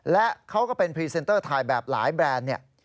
และเขาก็เป็นพรีเซนเตอร์ถ่ายแบบหลายแบรนด์เนี่ย